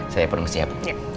saya pun siap